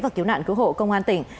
và cứu nạn cứu hộ công an tỉnh